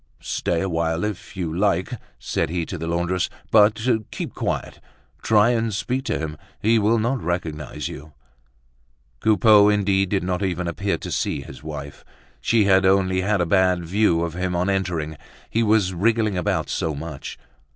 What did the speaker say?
"Stay a while if you like," said he to the laundress; "but keep quiet. Try and speak to him, he will not recognise you." Coupeau indeed did not even appear to see his wife. She had only had a bad view of him on entering, he was wriggling about so much.